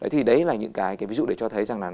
thì đấy là những cái ví dụ để cho thấy rằng là